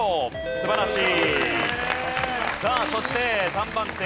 素晴らしい。